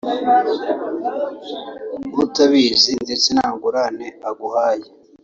utabizi ndetse nta ngurane aguhaye